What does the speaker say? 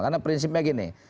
karena prinsipnya gini